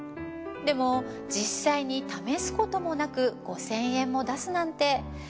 でも実際に試すこともなく５，０００円も出すなんて。